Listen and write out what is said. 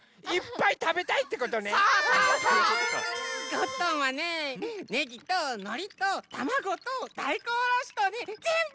ゴットンはねネギとのりとたまごとだいこんおろしとねぜんぶ！